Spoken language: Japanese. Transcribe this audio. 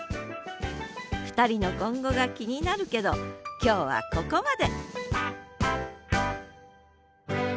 ２人の今後が気になるけど今日はここまで！